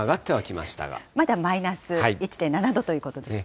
まだマイナス１．７度ということですね。